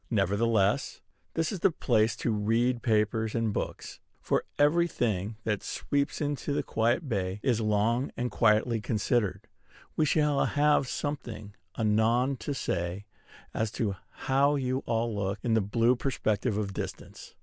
Nevertheless, this is the place to read papers and books; for every thing that sweeps into this quiet bay is long and quietly considered. We shall have something anon to say as to how you all look in the blue perspective of distance.